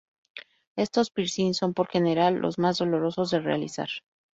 Estos piercing son por general los más dolorosos de realizar.